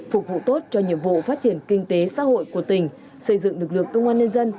phục vụ tốt cho nhiệm vụ phát triển kinh tế xã hội của tỉnh xây dựng lực lượng công an nhân dân